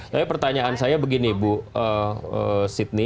tapi pertanyaan saya begini bu sydney